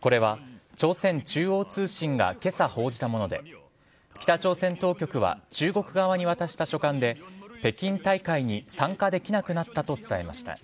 これは朝鮮中央通信が今朝報じたもので北朝鮮当局は中国側に渡した書簡で北京大会に参加できなくなったと伝えました。